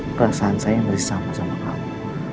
perasaan saya masih sama sama kamu